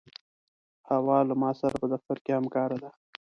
حوا له ما سره په دفتر کې همکاره ده.